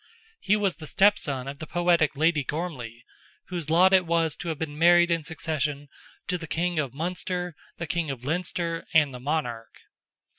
He was the step son of the poetic Lady Gormley, whose lot it was to have been married in succession to the King of Munster, the King of Leinster, and the Monarch.